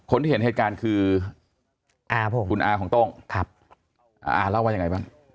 คนที่เห็นเหตุการณ์คือคุณอาของต้งอาเล่าว่าอย่างไรบ้าง